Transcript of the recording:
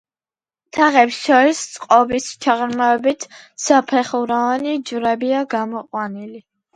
თაღებს შორის წყობის ჩაღრმავებით საფეხუროვანი ჯვრებია გამოყვანილი.